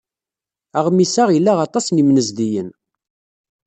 Aɣmis-a ila aṭas n yimnezdiyen.